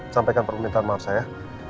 sampaikan permintaan maaf saya